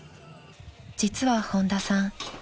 ［実は本多さん